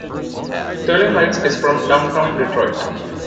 Sterling Heights is from Downtown Detroit.